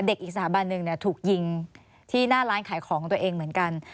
อีกสถาบันหนึ่งถูกยิงที่หน้าร้านขายของตัวเองเหมือนกัน